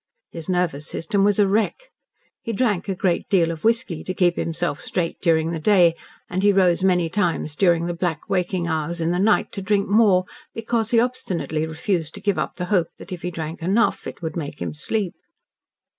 His nervous system was a wreck. He drank a great deal of whisky to keep himself "straight" during the day, and he rose many times during his black waking hours in the night to drink more because he obstinately refused to give up the hope that, if he drank enough, it would make him sleep.